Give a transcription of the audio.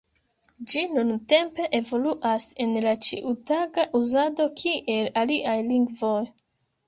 Ĝi nuntempe evoluas en la ĉiutaga uzado kiel aliaj lingvoj.